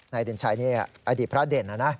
เด่นชัยนี่อดีตพระเด่นนะนะ